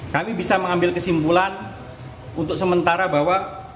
kami bisa mengambil kesimpulan untuk sementara bahwa